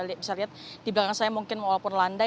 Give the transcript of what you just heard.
anda bisa lihat di belakang saya mungkin walaupun landai